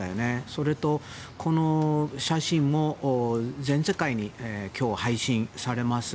それと、この写真も全世界に今日は配信されます。